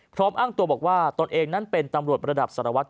พร้อมอ้างตัวบอกว่าตนเองนั้นเป็นตำรวจระดับสารวัตร